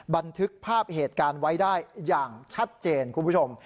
บันทึกภาพเหตุการณ์ไว้ได้อย่างชัดเจนคุณผู้ชม